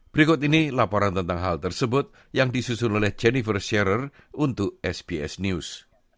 berikut ini laporan tentang hal tersebut yang disusun oleh jennifer sherr untuk sbs news